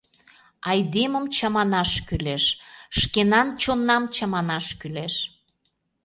Айдемым чаманаш кӱлеш... шкенан чоннам чаманаш кӱлеш.